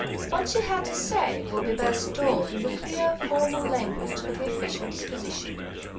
What she had to say will be best told in the clear, formal language of the official disposition.